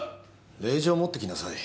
令状を持ってきなさい。